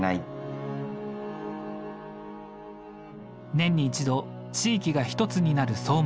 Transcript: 年に一度地域が一つになる相馬野馬追。